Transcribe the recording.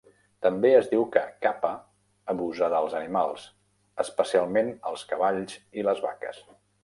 També es diu que "Kappa" abusa dels animals, especialment els cavalls i les vaques.